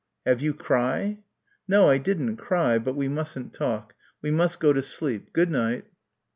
"Have you cry?" "No, I didn't cry. But we mustn't talk. We must go to sleep. Good night."